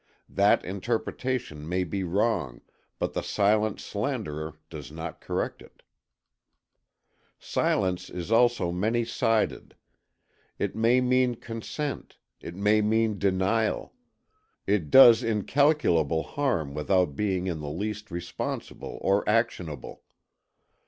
That interpretation may be wrong, but the silent slanderer does not correct it. Silence is also many sided. It may mean consent; it may mean denial. It does incalculable harm without being in the least responsible or actionable.